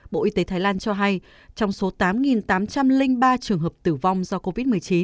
bộ y tế thái lan cho hay trong số tám tám trăm linh ba trường hợp tử vong do covid một mươi chín